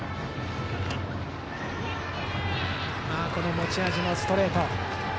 持ち味のストレート。